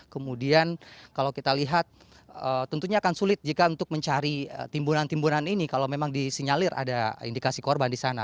kemudian kalau kita lihat tentunya akan sulit jika untuk mencari timbunan timbunan ini kalau memang disinyalir ada indikasi korban di sana